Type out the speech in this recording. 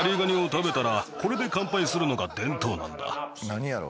何やろ？